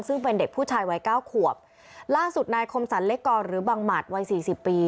ซึ่งเป็นเด็กผู้ชายไว้๙ขวบล่างสุดนายคมสัลเล็กกรหรือบังหมาตรไว้๔๐ปี